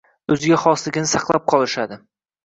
o‘ziga xosligini saqlab qolishadi.